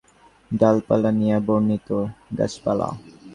দেখিলাম, নির্ঝরের সেই হতভাগিনী জাঠতুতো বোনের বৃত্তান্তটিই ডালপালা দিয়া বর্ণিত।